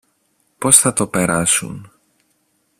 Πώς θα το περάσουν;